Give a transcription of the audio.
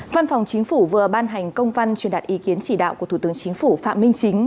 văn phòng chính phủ vừa ban hành công văn truyền đạt ý kiến chỉ đạo của thủ tướng chính phủ phạm minh chính